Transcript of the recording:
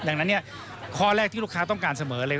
ดังนั้นข้อแรกที่ลูกค้าต้องการเสมอเลย